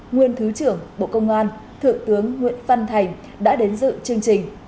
nguyên thứ trưởng bộ công an thượng tướng nguyễn văn thành đã đến dự chương trình